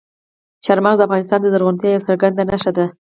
چار مغز د افغانستان د زرغونتیا یوه څرګنده نښه ده.